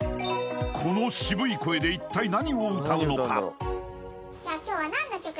この渋い声で一体何を歌うのか？